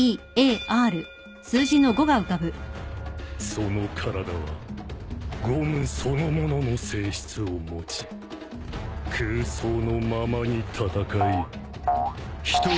その体はゴムそのものの性質を持ち空想のままに戦い人々を笑顔にしたという。